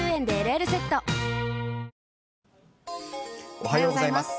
おはようございます。